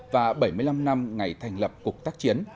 và bảy mươi năm năm ngày thành lập cục tác chiến